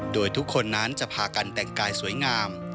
โดยทุกคนนั้นจะพากันแต่งกายสวยงาม